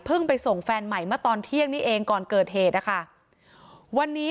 เพิ่งไปส่งแฟนใหม่มาตอนเที่ยงนี้เองก่อนเกิดเหตุค่ะวันนี้